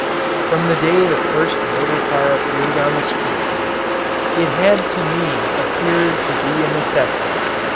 From the day the first motor car appeared on the streets it had to me appeared to be a necessity.